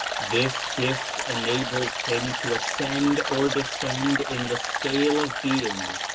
This gift enables him to ascend or descend in the scale of being.